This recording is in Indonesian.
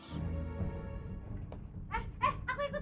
eh eh aku ikut dong